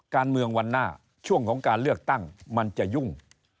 การเมืองวันหน้าช่วงของการเลือกตั้งมันจะยุ่ง